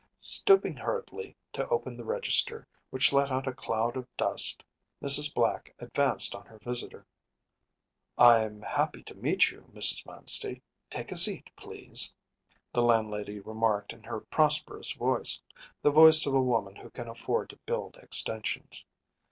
Stooping hurriedly to open the register, which let out a cloud of dust, Mrs. Black advanced on her visitor. “I’m happy to meet you, Mrs. Manstey; take a seat, please,‚ÄĚ the landlady remarked in her prosperous voice, the voice of a woman who can afford to build extensions.